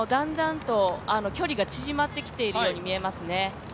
だんだんと距離が縮まってきているように見えますね。